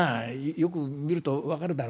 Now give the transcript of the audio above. よく見ると分かるだろ。